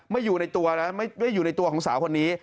อยู่ในตัวนะไม่อยู่ในตัวของสาวคนนี้